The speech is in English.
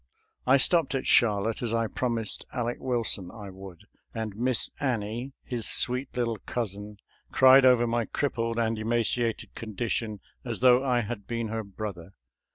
♦»* I stopped at Charlotte, as I promised Aleck Wilson I would, and Miss Annie, his sweet little cousin, cried over my crippled and emaciated condition as though I had been her brother.